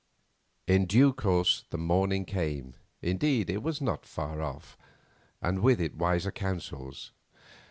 In due course, the morning came—indeed, it was not far off—and with it wiser counsels.